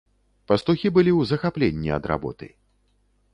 Пастухі былі ў захапленні ад работы.